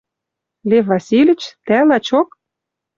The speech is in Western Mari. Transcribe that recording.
Лев Васильыч, тӓ, лачок?